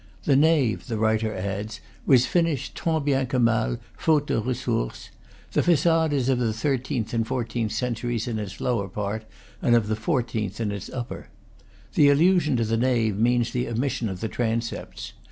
"The nave" the writer adds, "was finished tant bien que mal, faute de ressources; the facade is of the thirteenth and fourteenth centuries in its lower part, and of the fourteenth in its upper." The allusion to the nave means the omission of the transepts.